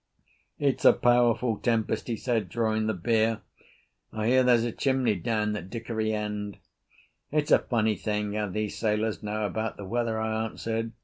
"It's a powerful tempest," he said, drawing the beer. "I hear there's a chimney down at Dickory End." "It's a funny thing how these sailors know about the weather," I answered.